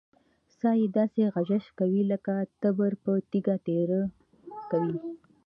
سا يې داسې غژس کوه لک تبر په تيږه تېره کوې.